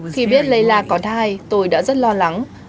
khi biết layla có thai tôi đã rất lo lắng